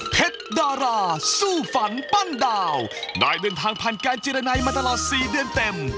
ดาราสู้ฝันปั้นดาวได้เดินทางผ่านการเจรนัยมาตลอด๔เดือนเต็ม